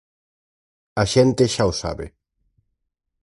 A xente xa o sabe.